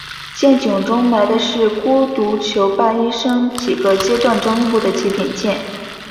剑冢中埋的是独孤求败一生几个阶段中用过的几柄剑。